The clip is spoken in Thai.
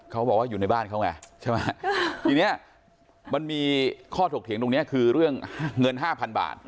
เขาบอกว่าอยู่ในบ้านเขาไงใช่ไหมทีนี้มันมีข้อถกเถียงตรงนี้คือเรื่องเงินห้าพันบาท